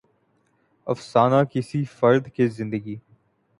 افسانہ کسی فرد کے زندگی